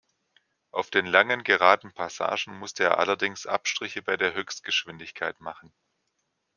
Auf den langen geraden Passagen musste er allerdings Abstriche bei der Höchstgeschwindigkeit machen.